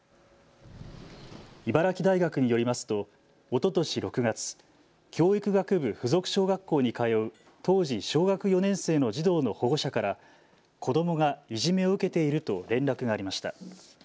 茨城大学によりますとおととし６月、教育学部附属小学校に通う当時、小学４年生の児童の保護者から子どもがいじめを受けていると連絡がありました。